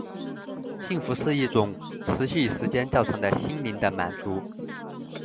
幸福是一种持续时间较长的心灵的满足。